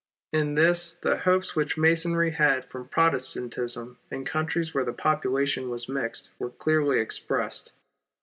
In this the hopes which Masonry had from Protestantism in countries where the population was mixed, were clearly expressed.